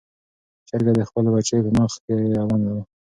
چرګه د خپلو بچیو په مخ کې روانه ده.